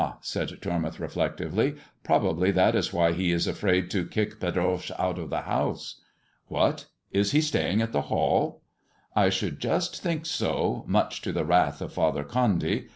said Tormouth reflectively, " probably that is why he is afraid to kick Pedroche out of the house." " What ! Is he staying at the Hall 1 "" I should just think so, much to the wrath of Father CJondy.